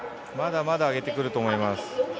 まだまだ上げてくると思います。